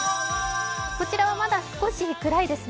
こちらはまだ少し暗いですね。